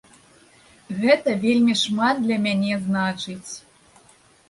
Гэта вельмі шмат для мяне значыць.